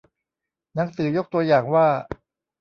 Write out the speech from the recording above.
หนังสือยกตัวอย่างว่า